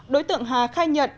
đối tượng hà khai nhận